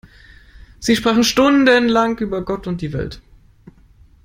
Sie sprachen stundenlang über Gott und die Welt.